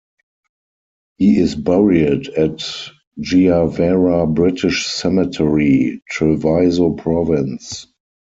He is buried at Giavera British Cemetery, Treviso province.